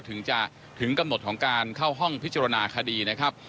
ถึงจะถึงกำหนดของการเข้าห้องพิจารณาคดีนะครับ